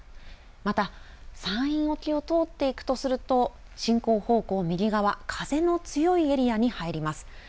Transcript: また山陰沖を通っていくとすると、進行方向右側、風の強いエリアに入ります。